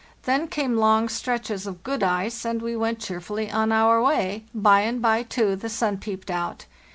Then came long stretches of good ice, and we went cheerfully on our way; by and bye, too, the sun peeped out.